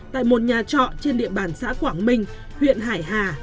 tại một nhà trọ trên địa bàn xã quảng minh huyện hải hà